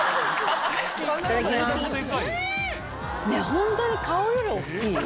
ホントに顔より大っきいよ。